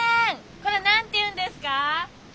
これ何ていうんですか？